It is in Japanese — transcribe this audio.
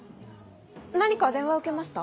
何か電話受けました？